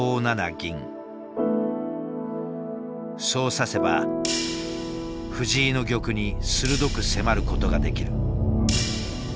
そう指せば藤井の玉に鋭く迫ることができる。